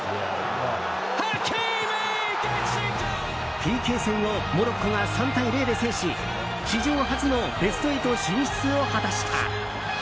ＰＫ戦をモロッコが３対０で制し史上初のベスト８進出を果たした。